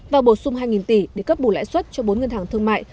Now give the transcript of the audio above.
và bổ sung hai tỷ để cấp bù lãi suất cho bốn ngân hàng thương mại